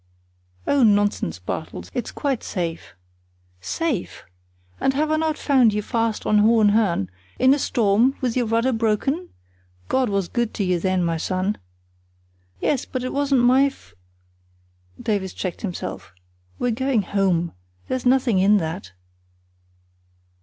"Oh, nonsense, Bartels, it's quite safe." "Safe! And have I not found you fast on Hohenhörn, in a storm, with your rudder broken? God was good to you then, my son." "Yes, but it wasn't my f——" Davies checked himself. "We're going home. There's nothing in that."